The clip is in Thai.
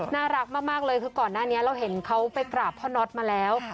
น่ารักมากเลยคือก่อนหน้านี้เราเห็นเขาไปกราบพ่อน็อตมาแล้ว